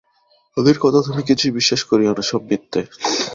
ওদের কথা তুমি কিছুই বিশ্বাস করিয়ো না–সব মিথ্যা।